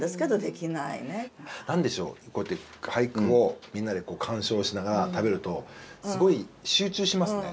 何でしょう俳句をみんなで鑑賞しながら食べるとすごい集中しますね。